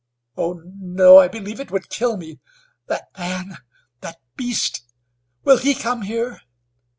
"Oh! No, I believe it would kill me! That man! that beast! will he come here?"